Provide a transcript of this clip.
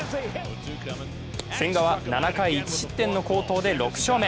千賀は７回１失点の好投で６勝目。